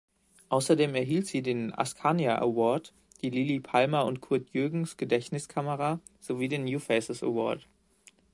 Außerdem erhielt sie den Askania Award, die Lilli-Palmer-&-Curd-Jürgens-Gedächtniskamera sowie den New Faces Award.